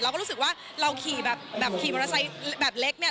เราก็รู้สึกว่าเราขี่มอเซอร์แบบเล็กเนี่ย